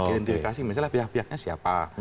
identifikasi misalnya pihak pihaknya siapa